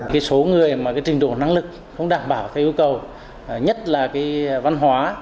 cái số người mà cái trình độ năng lực không đảm bảo theo yêu cầu nhất là cái văn hóa